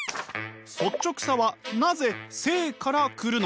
率直さはなぜ生から来るのか？